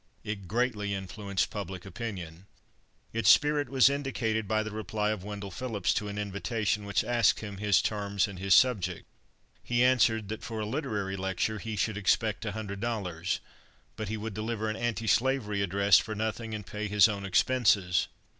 It greatly influenced public opinion. Its spirit was indicated by the reply of Wendell Phillips to an invitation which asked him his terms and his subject. He answered that for a literary lecture he should expect a hundred dollars, but he would deliver an antislavery address for nothing, and pay his own expenses.